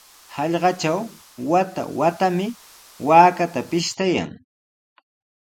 Hallqatraw wata-watami waakata pishtayan.